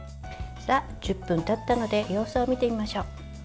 １０分たったので様子を見てみましょう。